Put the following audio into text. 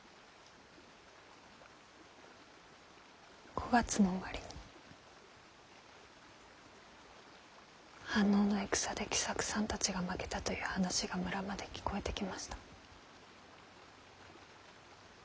５月の終わりに飯能の戦で喜作さんたちが負けたという話が村まで聞こえてきました。